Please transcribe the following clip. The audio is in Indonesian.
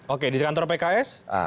oke di kantor pks